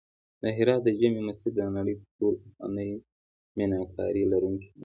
د هرات د جمعې مسجد د نړۍ تر ټولو پخوانی میناکاري لرونکی مسجد دی